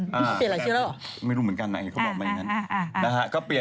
ไม่หรือเชื่อหรอไม่รู้เหมือนกันนะเขาบอกไว้อย่างนั้น